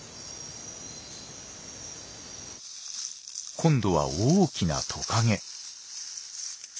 今度は大きなトカゲ。